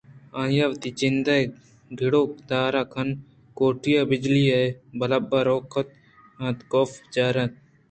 آئی ءَوتی جند ءَ گر ءُ دار کنان کوٹی ءِ بجلی ءِ بلب روک کُت اَنت ءُکاف ءَپجّاہ آورت